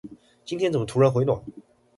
今天怎麼突然回暖